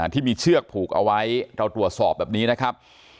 ที่มีเชือกผูกเอาไว้เราตรวจสอบแบบนี้นะครับ